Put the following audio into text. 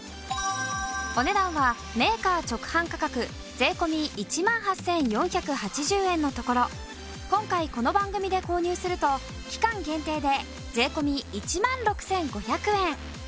お値段はメーカー直販価格税込１万８４８０円のところ今回この番組で購入すると期間限定で税込１万６５００円。